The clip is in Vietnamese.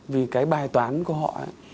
vì cái bài toán của họ